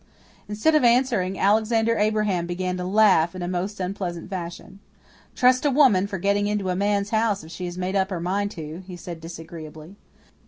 Instead of answering Alexander Abraham began to laugh in a most unpleasant fashion. "Trust a woman for getting into a man's house if she has made up her mind to," he said disagreeably.